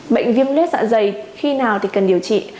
bệnh viêm lết dạ dày khi nào thì cần điều trị